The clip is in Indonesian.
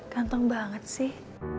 ganteng banget sih